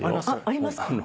ありますか？